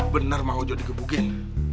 bener mang ojo digebukin